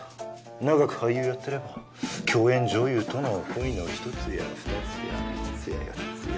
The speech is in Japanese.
長く俳優やってれば共演女優との恋の１つや２つや３つや４つや。